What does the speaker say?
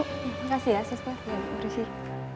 berhenti ya sesuatu yang berisik